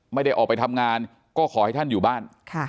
ไม่ได้ออกไปทำงานก็ขอให้ท่านอยู่บ้าน